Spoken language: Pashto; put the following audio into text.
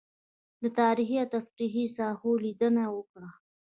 له تاريخي او تفريحي ساحو لېدنه وکړه.